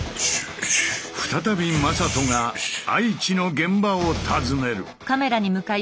再び魔裟斗が愛知の現場を訪ねる。